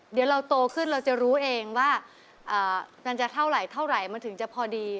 เดี๋ยวเราโตขึ้นเราจะรู้เองว่ามันจะเท่าไหรเท่าไหร่มันถึงจะพอดี